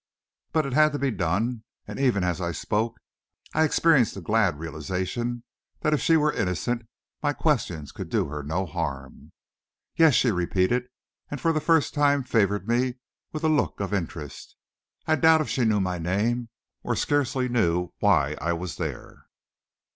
But it had to be done, and even as I spoke, I experienced a glad realization, that if she were innocent, my questions could do her no harm. "Yes," she repeated, and for the first time favored me with a look of interest. I doubt if she knew my name or scarcely knew why I was there.